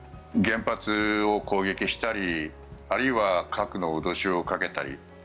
原発を攻撃したりあるいは核の脅しをかけたり。